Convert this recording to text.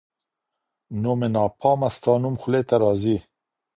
نو مي ناپامه ستا نوم خولې ته راځــــــــي